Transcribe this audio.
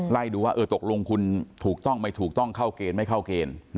ไล่ดูว่าตกลงคุณถูกต้องไม่ถูกต้องเข้าเกณฑ์ไม่เข้าเกณฑ์